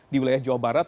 di wilayah jawa barat